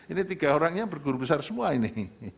ini tiga orangnya berguru besar semua ini